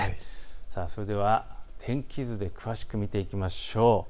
それでは天気図で詳しく見ていきましょう。